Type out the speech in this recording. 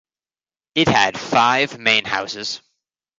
It had five main houses.